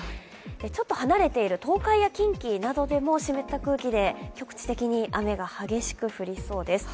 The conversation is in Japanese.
ちょっと離れている東海や近畿などでも湿った空気で局地的に雨が激しく降りそうです。